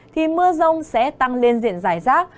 thì mưa rông sẽ tăng lên diện rải rác